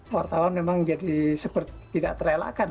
wartawan memang jadi seperti tidak terelakkan